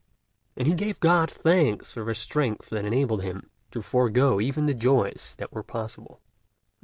And he gave God thanks for the strength that enabled him to forgo even the joys that were possible.